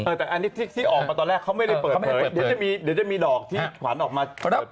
แต่อันนี้ที่ออกมาตอนแรกเขาไม่ได้เปิดเผยเดี๋ยวจะมีดอกที่ขวัญออกมาเปิดเผยอีก